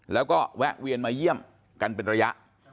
แล้วก็แวะเวียนมาเยี่ยมกันเป็นระยะ